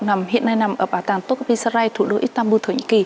nằm hiện nay nằm ở bảo tàng tô cápi xa rai thủ đô istanbul thổ nhĩ kỳ